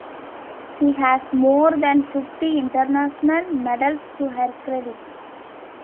She has more than fifty international medals to her credit.